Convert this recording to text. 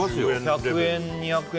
１００円２００円